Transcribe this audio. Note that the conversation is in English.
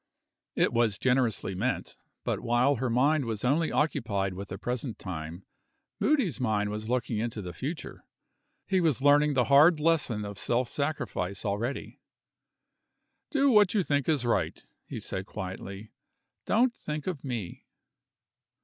It was generously meant. But while her mind was only occupied with the present time, Moody's mind was looking into the future. He was learning the hard lesson of self sacrifice already. "Do what you think is right," he said quietly; "don't think of me."